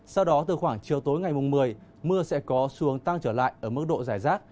sau đó từ khoảng chiều tối ngày mùng một mươi mưa sẽ có xuống tăng trở lại ở mức độ giải rác